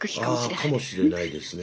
ああかもしれないですねえ。